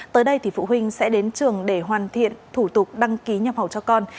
tới đây thì phụ huynh sẽ đến trường để hoàn thiện thủ tục đăng ký nhập khẩu cho con